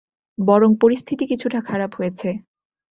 বরং পরিস্থিতি কিছুটা খারাপ হয়েছে।